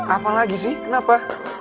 apalagi sih kenapa